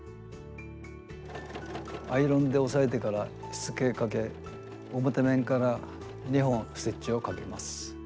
アイロンで押さえてからしつけをかけ表面から２本ステッチをかけます。